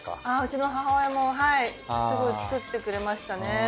ああうちの母親もはいすごい作ってくれましたね。